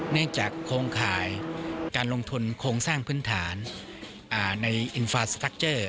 เนื่องจากโครงข่ายการลงทุนโครงสร้างพื้นฐานในอินฟาสตักเจอร์